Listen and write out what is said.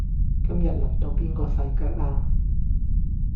今日輪到邊個洗腳呀